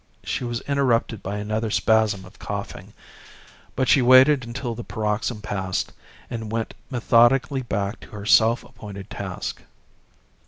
She was interrupted by another spasm of coughing, but she waited until the paroxysm passed and went methodically back to her self appointed task.